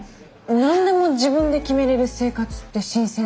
何でも自分で決めれる生活って新鮮で。